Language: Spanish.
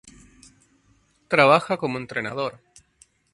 Trabaja como entrenador.